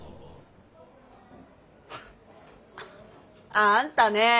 あんたね